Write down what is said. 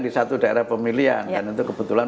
di satu daerah pemilihan dan itu kebetulan